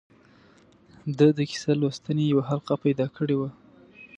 ده د کیسه لوستنې یوه حلقه پیدا کړې وه.